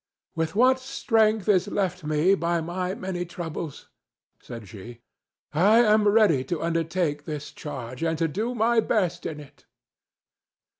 "With what strength is left me by my many troubles," said she, "I am ready to undertake this charge, and to do my best in it."